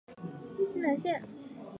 清南线